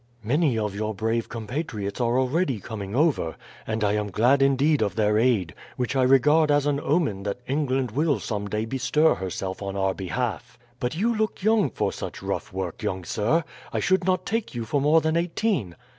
"Many of your brave compatriots are already coming over; and I am glad indeed of their aid, which I regard as an omen that England will some day bestir herself on our behalf. But you look young for such rough work, young sir. I should not take you for more than eighteen."